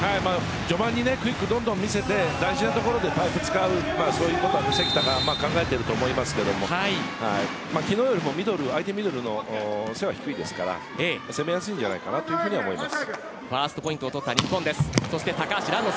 序盤にクイックをどんどん見せて大事なところでパイプを使うということを関田も考えていると思いますが昨日よりも相手のミドルの背が低いですから攻めやすいんじゃないかと思います。